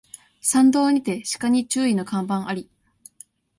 山道にて鹿に注意の看板あり